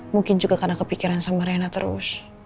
mungkin juga karena kepikiran sama rena terus